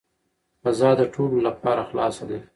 فضا د ټولو لپاره خلاصه ده.